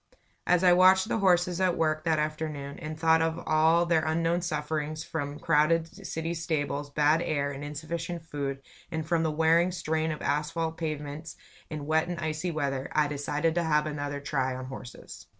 As I watched the horses at work that afternoon, and thought of all their unknown sufferings from crowded city stables, bad air and insufficient food, and from the wearing strain of asphalt pavements in wet and icy weather, I decided to have another try on horses.